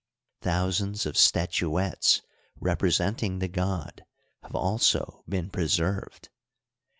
Thousands of statuettes repre senting the god have also been preserved.